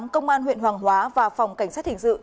công an huyện hoàng hóa và phòng cảnh sát hình sự